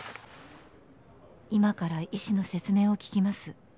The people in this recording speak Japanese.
「今から医師の説明を聞きます」。